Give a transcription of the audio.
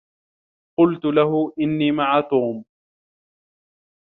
قلت له إنّني مع توم.